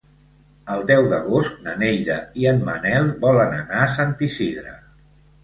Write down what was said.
El deu d'agost na Neida i en Manel volen anar a Sant Isidre.